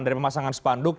dari pemasangan spanduk